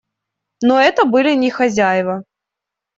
Но это были не хозяева.